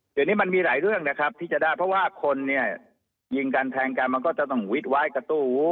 เดี๋ยวนี้มันมีหลายเรื่องนะครับที่จะได้เพราะว่าคนเนี่ยยิงกันแทงกันมันก็จะต้องวิดวายกระตู้